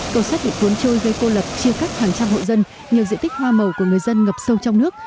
cầu sắt bị cuốn trôi gây cô lập chia cắt hàng trăm hội dân nhiều diện tích hoa màu của người dân ngập sâu trong nước